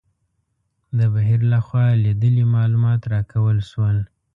د بهیر لخوا لیدلي معلومات راکول شول.